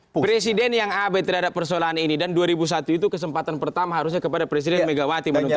presiden yang abe terhadap persoalan ini dan dua ribu satu itu kesempatan pertama harusnya kepada presiden megawati menunjukkan